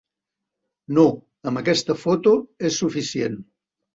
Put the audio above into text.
No, amb aquesta foto és suficient.